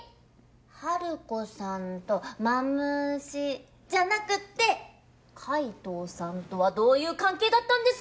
ハルコさんとマムシじゃなくて海藤さんとはどういう関係だったんですか？